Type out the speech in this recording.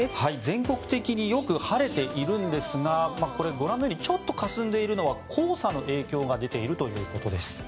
全国的によく晴れているんですがこれ、ご覧のようにちょっとかすんでいるのは黄砂の影響が出ているということです。